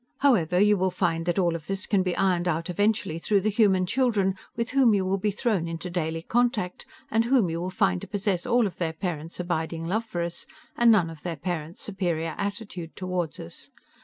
However, you will find that all of this can be ironed out eventually through the human children, with whom you will be thrown into daily contact and whom you will find to possess all of their parents' abiding love for us and none of their parents' superior attitude toward us.